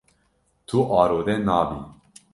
Tu arode nabî.